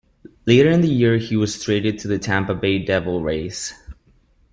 Later in the year, he was traded to the Tampa Bay Devil Rays.